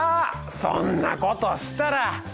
そんなことしたら。